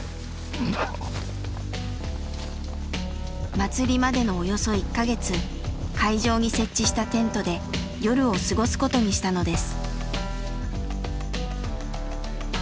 祭りまでのおよそ１か月会場に設置したテントで夜を過ごすことにしたのです。